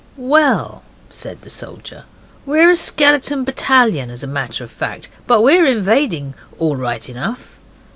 'Well,' said the soldier, 'we're a skeleton battalion, as a matter of fact, but we're invading all right enough.